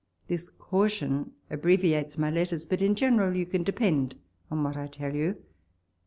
This caution abbreviates my letters ; but, in general, you can depend on what I tell you.